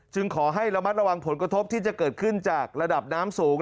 ขอให้ระมัดระวังผลกระทบที่จะเกิดขึ้นจากระดับน้ำสูง